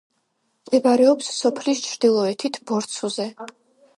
მდებარეობს სოფლის ჩრდილოეთით, ბორცვზე.